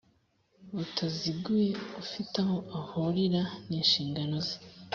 butaziguye ufite aho ahurira n inshingano ze